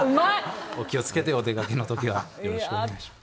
お気をつけて、お出かけの時はよろしくお願いします。